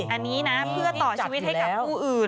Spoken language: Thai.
อันนี้นะเพื่อต่อชีวิตให้กับผู้อื่น